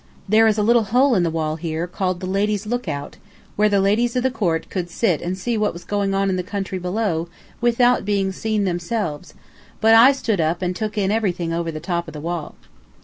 There is a little hole in the wall here called the Ladies' Look Out, where the ladies of the court could sit and see what was going on in the country below without being seen themselves, but I stood up and took in everything over the top of the wall.